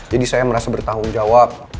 jadi saya merasa bertanggung jawab